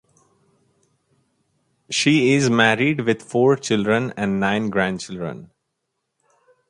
She is married with four children and nine grandchildren.